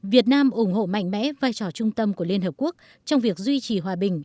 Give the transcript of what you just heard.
việt nam ủng hộ mạnh mẽ vai trò trung tâm của liên hợp quốc trong việc duy trì hòa bình